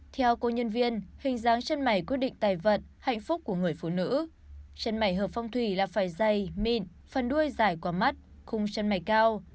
theo cô nhân viên hình dáng chân mày quyết định tài vận hạnh phúc của người phụ nữ chân mày hợp phong thủy là phải dày mịn phần đuôi dài qua mắt khung chân mày cao